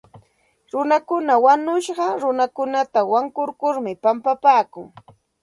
Runakuna wañushqa runakunata wankurkurmi pampapaakun.